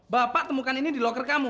bapak temukan ini di locker kamu